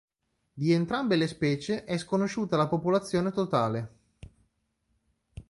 Di entrambe le specie è sconosciuta la popolazione totale.